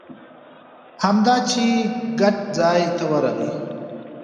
همدا چې ګټ ځای ته ورغی.